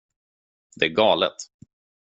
Det är galet.